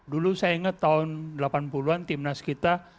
dulu saya ingat tahun delapan puluh an timnas kita